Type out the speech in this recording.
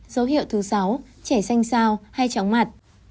dấu hiệu thứ sáu trẻ xanh sao hay chóng mặt